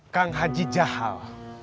kang haji jahal